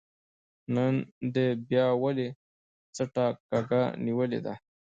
نن دې بيا ولې څټه کږه نيولې ده